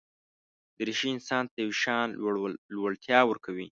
دریشي انسان ته یو شان لوړتیا ورکوي.